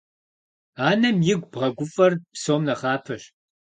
Анэм игу бгъэгуфӏэр псом нэхъапэщ.